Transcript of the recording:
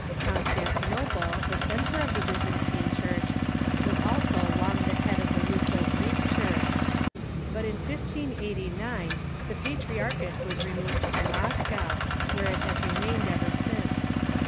Constantinople, the centre of the Byzantine Church, Avas also long the head of the Russo Greek Church. But in 1589 the patriarchate was removed to Moscow, where it has remained ever since.